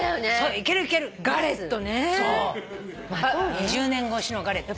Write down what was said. ２０年越しのガレットよ。